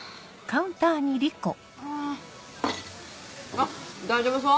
あっ大丈夫そう？